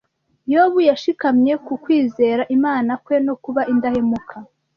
Yobu yashikamye ku kwizera Imana kwe no kuba indahemuka,